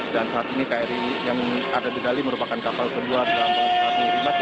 dan saat ini kri yang ada di bali merupakan kapal selam kedua dalam tahun dua ribu dua puluh lima